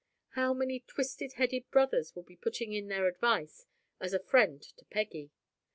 How many twisted headed brothers will be putting in their advice, as a friend to Peggy?